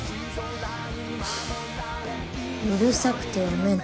うるさくて読めぬ。